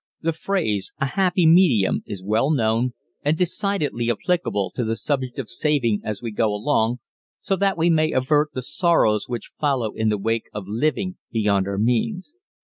The phrase "a happy medium" is well known and decidedly applicable to the subject of saving as we go along so that we may avert the sorrows which follow in the wake of living beyond our means.